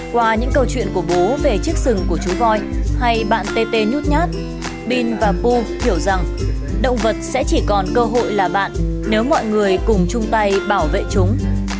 qua những câu chuyện của bố về chiếc sừng của chú voi hay bạn tt nhút nhát bin và pu hiểu rằng động vật sẽ chỉ còn cơ hội là bạn nếu mọi người cùng chung tay bảo vệ chúng